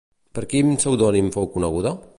Per quin pseudònim fou coneguda?